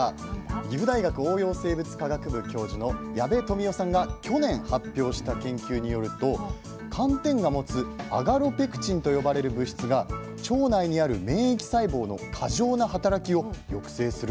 岐阜大学応用生物科学部教授の矢部富雄さんが去年発表した研究によると寒天が持つアガロペクチンと呼ばれる物質が腸内にある免疫細胞の過剰な働きを抑制することが分かったんです。